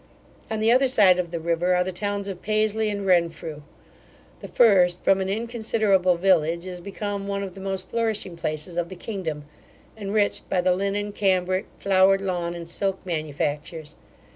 On the other side of the river are the towns of Paisley and Renfrew. The first, from an inconsiderable village, is become one of the most flourishing places of the kingdom, enriched by the linen, cambrick, flowered lawn, and silk manufactures.